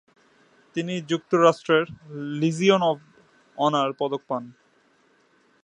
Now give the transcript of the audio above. তিনি যুক্তরাষ্ট্রের Legion of honour পদক পান।